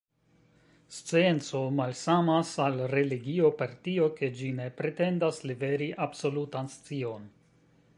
Scienco malsamas al religio, per tio, ke ĝi ne pretendas liveri absolutan scion.